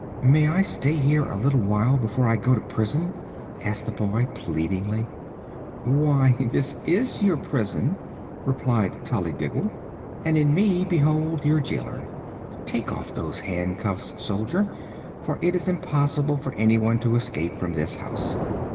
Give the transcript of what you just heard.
"May I stay here a little while before I go to prison?" asked the boy, pleadingly. "Why, this is your prison," replied Tollydiggle, "and in me behold your jailor. Take off those handcuffs, Soldier, for it is impossible for anyone to escape from this house."